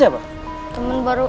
saya sedang menanggung